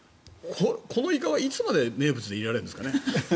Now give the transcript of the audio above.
このイカはいつまで名物でいられるんですかね。